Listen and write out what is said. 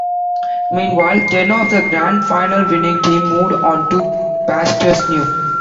Meanwhile, ten of the Grand Final winning team moved on to pastures new.